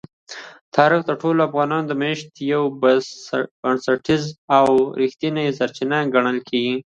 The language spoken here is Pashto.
تاریخ د ټولو افغانانو د معیشت یوه بنسټیزه او رښتینې سرچینه ګڼل کېږي.